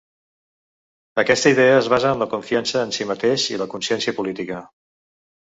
Aquesta idea es basa en la confiança en si mateix i la consciència política.